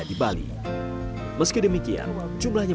sebuah terobosan yang menekankan